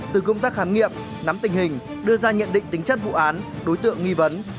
từ công tác khám nghiệm nắm tình hình đưa ra nhận định tính chất vụ án đối tượng nghi vấn